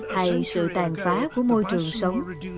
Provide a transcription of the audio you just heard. hay sự tàn phá của môi trường sống